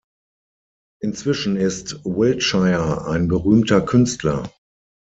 Inzwischen ist Wiltshire ein berühmter Künstler.